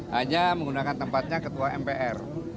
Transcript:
hanya menggunakan tempatnya ketua mpr